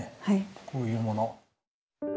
こういうもの。